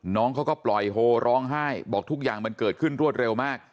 น้องเขาก็ปล่อยโฮร้องไห้บอกทุกอย่างมันเกิดขึ้นรวดเร็วมาก